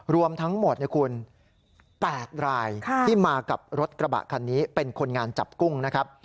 รวมทั้งหมดนะคุณ๘รายที่มากับรถกระบะคันนี้เป็นคนงานจับกุ้งนะครับ